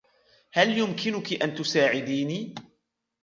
هل يمكنك ان تساعديني ؟